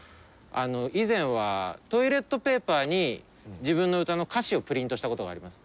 以前はトイレットペーパーに自分の歌の歌詞をプリントした事があります。